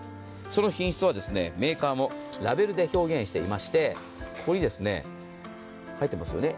その品質はメーカーもラベルで表現してまして、ここに書いてありますよね。